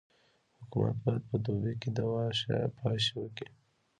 حکومت باید په دوبي کي دوا پاشي وکي.